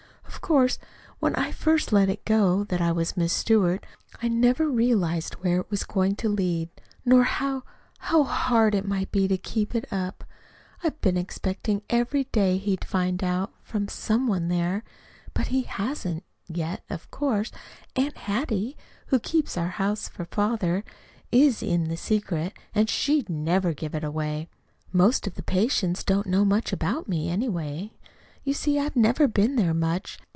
"Of course, when I first let it go that I was 'Miss Stewart,' I never realized where it was going to lead, nor how how hard it might be to keep it up. I've been expecting every day he'd find out, from some one there. But he hasn't yet. Of course, Aunt Hattie, who keeps house for father, is in the secret, and SHE'D never give it away. Most of the patients don't know much about me, anyway. You see, I've never been there much.